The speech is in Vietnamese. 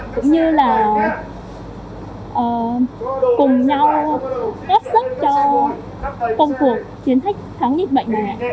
cũng như là cùng nhau ép sức cho công cuộc chiến thách thắng dịch bệnh này